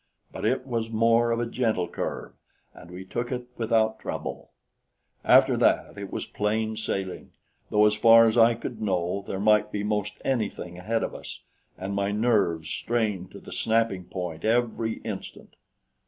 but it was more of a gentle curve, and we took it without trouble. After that it was plain sailing, though as far as I could know, there might be most anything ahead of us, and my nerves strained to the snapping point every instant.